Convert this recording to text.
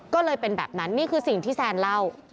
ก็เลยเป็นแบบนั้นนี่คือสิ่งที่แซนเล่า